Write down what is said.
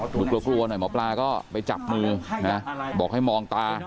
ดูกลัวกลัวหน่อยหมอปลาก็ไปจับมือนะบอกให้มองตา